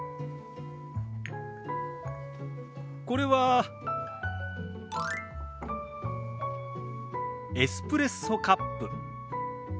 これはエスプレッソカップ。